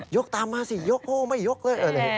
กตามมาสิยกโอ้ไม่ยกเลย